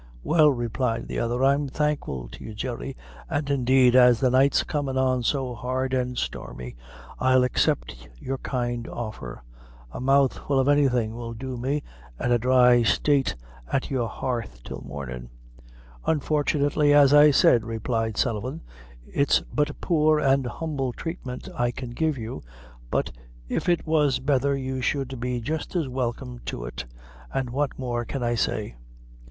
"Well," replied the other, "I'm thankful to you, Jerry, an' indeed as the night's comin' on so hard and stormy, I'll accept your kind offer; a mouthful of any thing will do me, an' a dry sate at your hearth till mornin'." "Unfortunately, as I said," replied Sullivan, "it's but poor an' humble treatment I can give you; but if it was betther you should be jist as welcome to it, an' what more can I say?"